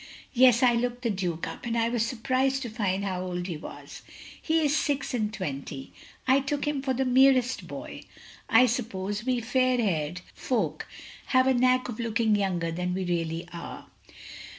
" Yes, I looked the Duke up, and I was surprised to find how old he was. He is six and twenty. I took him for the merest boy. I suppose we fair haired 240 THE LONELY LADY folk have a knack of looking younger than we really are."